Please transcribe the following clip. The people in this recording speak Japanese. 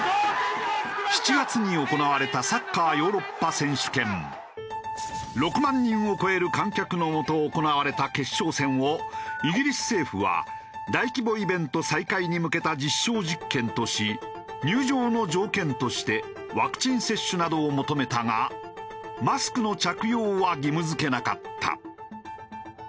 ７月に行われた６万人を超える観客のもと行われた決勝戦をイギリス政府は大規模イベント再開に向けた実証実験とし入場の条件としてワクチン接種などを求めたがマスクの着用は義務付けなかった。